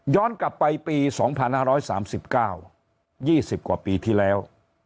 กลับไปปี๒๕๓๙๒๐กว่าปีที่แล้ว